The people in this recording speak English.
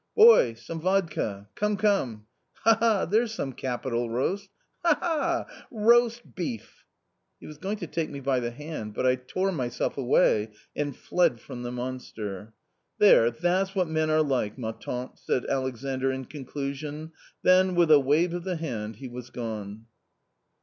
Boy ! some vodka. Come, come, ha, ha, ha !— there's some capital roast — ha, ha, ha !— roast beef." He was going to take me by the hand, but I tore myself away and fled from the monster. "There, that's what men are like, ma tante" said Alexandr in conclusion, then, with a wave of the hand, he was gone.